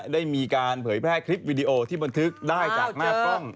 ได้มีการเผยแพร่คลิปวิดีโอที่บันทึกได้จากหน้ากล้อง